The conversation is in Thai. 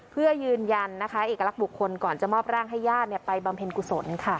เพื่อยืนยันนะคะเอกลักษณ์บุคคลก่อนจะมอบร่างให้ญาติไปบำเพ็ญกุศลค่ะ